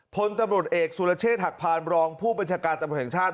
พลตำรวจเอกสุรเชษฐหักพานรองผู้บัญชาการตำรวจแห่งชาติ